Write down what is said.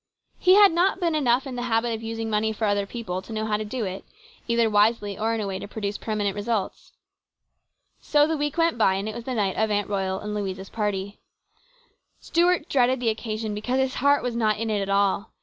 He had not been enough in the habit of using money for other people to know how to do it, either wisely or in a way to produce permanent results. So the week went by and it was the night of Aunt COMPLICATIONS. 211 Royal's and Louise's party. Stuart dreaded the occasion, because his heart was not in it at all.